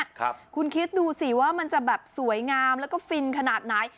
ครับคุณคิดดูสิว่ามันจะแบบสวยงามแล้วก็ฟินขนาดไหน